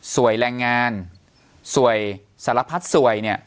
สวยแรงงานสวยสารพัฒน์สวยเนี่ย